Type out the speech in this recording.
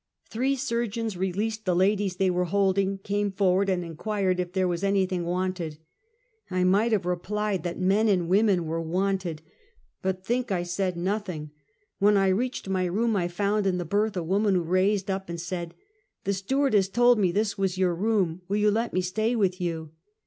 Three surgeons released the la dies they were holding, came forward and inquired if there was anything wanted. I might have replied that men and women were wanted, but think I said 344: Half a Centukt. nothing. When I reached ray room I found in the berth a woman who raised up and said : "The stewardess told me this was your room; will you let me stay with you